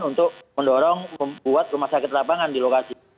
untuk mendorong membuat rumah sakit lapangan di lokasi